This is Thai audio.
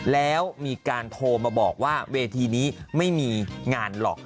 แล้วมีการโทรมาบอกว่าเวทีนี้ไม่มีงานหรอก